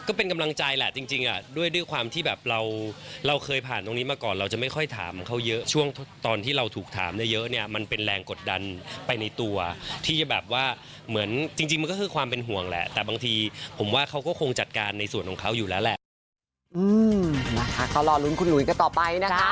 ก็เป็นกำลังใจแหละจริงอ่ะด้วยความที่แบบเราเราเคยผ่านตรงนี้มาก่อนเราจะไม่ค่อยถามเขาเยอะช่วงตอนที่เราถูกถามเยอะเนี่ยมันเป็นแรงกดดันไปในตัวที่จะแบบว่าเหมือนจริงมันก็คือความเป็นห่วงแหละแต่บางทีผมว่าเขาก็คงจัดการในส่วนของเขาอยู่แล้วแหละนะคะก็รอลุ้นคุณหุยกันต่อไปนะคะ